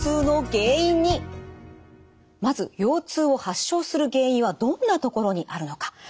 まず腰痛を発症する原因はどんなところにあるのか。